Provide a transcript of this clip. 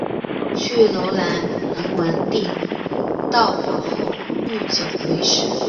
去柔然迎文帝悼皇后郁久闾氏。